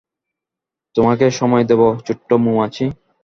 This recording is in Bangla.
তোমাকে সময় দেব, ছোট্ট মৌমাছি।